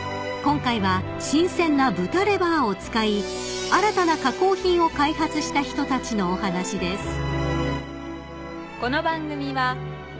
今回は新鮮な豚レバーを使い新たな加工品を開発した人たちのお話です］